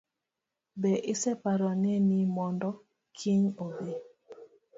Be iseparo ne ni mondo kiny obi?